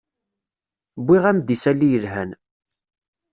Wwiɣ-am-d isalli yelhan.